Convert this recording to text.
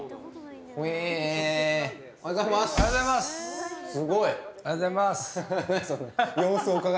おはようございます。